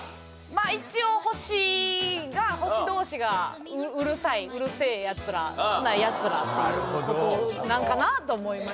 まあ一応星が星同士がうるさい「うるせえやつら」なやつらっていう事なんかなと思いましたけど。